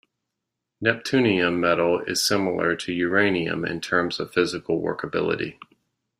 Neptunium metal is similar to uranium in terms of physical workability.